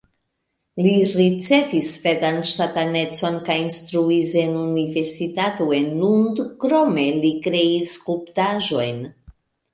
Li ricevis svedan ŝtatanecon kaj instruis en universitato en Lund, krome li kreis skulptaĵojn.